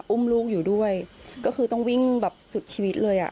อุ้มลูกอยู่ด้วยก็คือต้องวิ่งแบบสุดชีวิตเลยอ่ะ